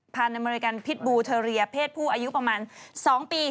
อเมริกันพิษบูเทอเรียเพศผู้อายุประมาณ๒ปี